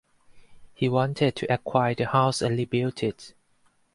He wanted to acquire the house and rebuild it.